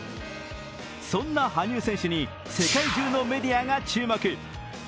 そんな羽生選手に世界中のメディアが注目。